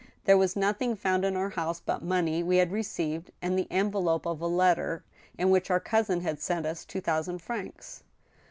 " There was nothing found in our house but money we had received, and the envelope of a letter in which our cousin had sent us two thousand francs."